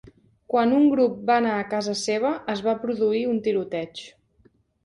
Quan un grup va anar a casa seva es va produir un tiroteig.